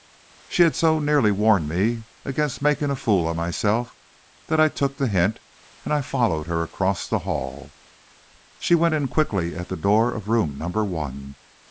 She had so nearly warned me against making a fool of myself, that I took the hint, and I followed her across the hall. She went in quickly at the door of room number one.